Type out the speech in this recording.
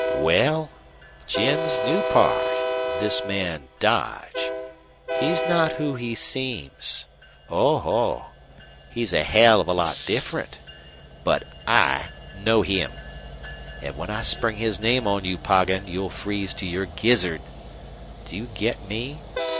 "Well, Jim's new pard this man Dodge he's not who he seems. Oh ho! He's a hell of a lot different. But I know him. An' when I spring his name on you, Poggin, you'll freeze to your gizzard. Do you get me?